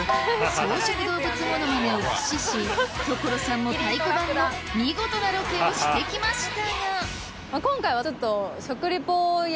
草食動物モノマネを駆使し所さんも太鼓判の見事なロケをしてきましたが今回はちょっと。